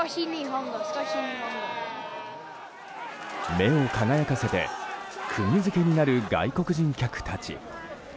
目を輝かせて釘付けになる外国人客たち。